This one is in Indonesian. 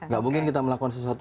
gak mungkin kita melakukan sesuatu